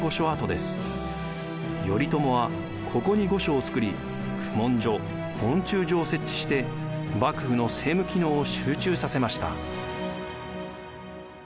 頼朝はここに御所を造り公文所問注所を設置して幕府の政務機能を集中させました。